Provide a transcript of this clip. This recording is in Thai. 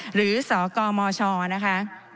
หรือสกมชนะคะ